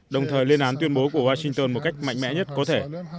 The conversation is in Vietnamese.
đồng thời lên án tuyên bố của washington một cách mạnh mẽ nhất có thể